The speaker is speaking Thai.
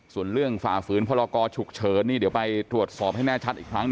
ส่วนเรื่องฝ่าฝืนพรกรฉุกเฉินนี่เดี๋ยวไปตรวจสอบให้แน่ชัดอีกครั้ง